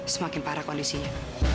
semakin parah kondisinya